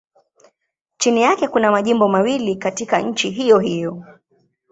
Chini yake kuna majimbo mawili katika nchi hiyohiyo.